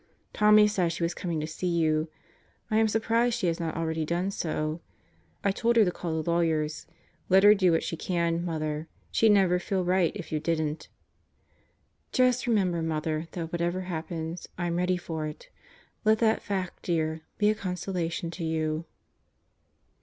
... Tommie said she was coming to see you. I am surprised she has not already done so. I told her to call the lawyers. Let her do what she can, Mother; she'd never feel right if you didn't. Just remember, Mother, that whatever happens, I'm ready for it. Let that fact, dear, be a consolation to you.